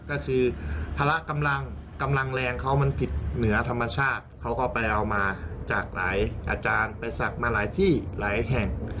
ก็คือพละกำลังกำลังแรงเขามันผิดเหนือธรรมชาติเขาก็ไปเอามาจากหลายอาจารย์ไปศักดิ์มาหลายที่หลายแห่ง